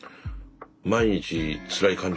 毎日つらい感じ？